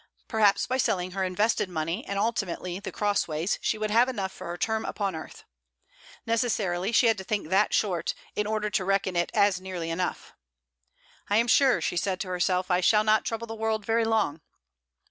Perhaps by selling her invested money, and ultimately The Crossways, she would have enough for her term upon earth. Necessarily she had to think that short, in order to reckon it as nearly enough. 'I am sure,' she said to herself, 'I shall not trouble the world very long.'